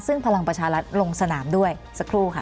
ซึ่งพลังประชารัฐลงสนามด้วยสักครู่ค่ะ